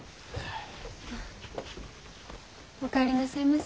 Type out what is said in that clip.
お帰りなさいませ。